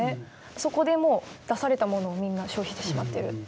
そこで出されたものをみんな消費してしまってるっていう。